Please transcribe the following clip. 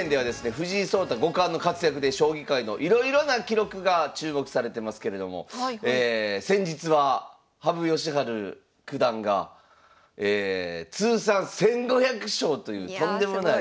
藤井聡太五冠の活躍で将棋界のいろいろな記録が注目されてますけれども先日は羽生善治九段が通算１，５００勝というとんでもない。